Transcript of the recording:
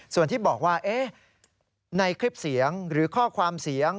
ส่วนที่บอกว่าในคลิปเสียงหรือข้อความเสียง